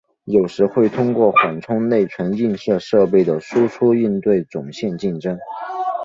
有时会通过缓冲内存映射设备的输出应对总线竞争。